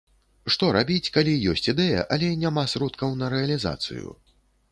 Што рабіць, калі ёсць ідэя, але няма сродкаў на рэалізацыю?